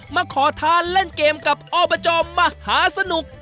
มาขอทานเล่นเกมกับอบจมหาสนุก